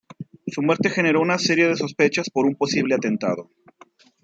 Su muerte generó una serie de sospechas por un posible atentado.